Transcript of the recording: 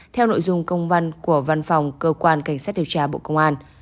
theo nội dung công văn của văn phòng cơ quan cảnh sát điều tra bộ công an